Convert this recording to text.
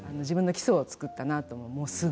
自分の基礎を作ったなと思う。